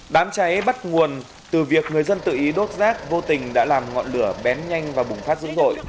đám cháy bắt nguồn từ việc người dân tự ý đốt rác vô tình đã làm ngọn lửa bén nhanh và bùng phát dữ dội